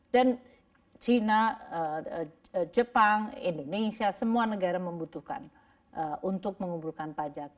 dan cina jepang indonesia semua negara membutuhkan untuk mengumpulkan pajak